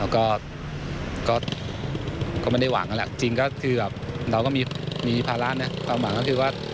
แล้วก็มันให้หวังแต่จริงเราก็มีพลังก็คือว่า